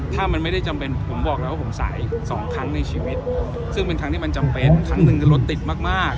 ถ้ามันไม่ได้จำเป็นผมบอกแล้วว่าผมสายสองครั้งในชีวิตซึ่งเป็นครั้งที่มันจำเป็นครั้งหนึ่งรถติดมากมาก